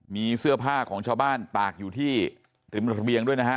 มีเสื้อผ้าของชาวบ้านตากอยู่ที่ริมระเบียงด้วยนะฮะ